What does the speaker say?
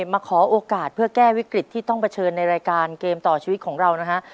มาขอโอกาสเพื่อแก้วิกฤตที่ต้องเผชิญในรายการเกมต่อชีวิตของเรานะฮะ